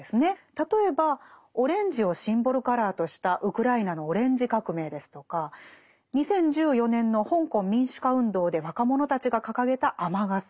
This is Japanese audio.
例えばオレンジをシンボルカラーとしたウクライナのオレンジ革命ですとか２０１４年の香港民主化運動で若者たちが掲げた雨傘。